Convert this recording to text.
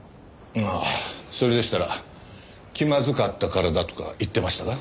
ああそれでしたら気まずかったからだとか言ってましたが。